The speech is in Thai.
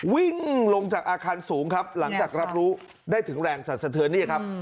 วิ่งลงจากอาคารสูงครับหลังจากรับรู้ได้ถึงแรงสัดสะเทือนนี่ครับ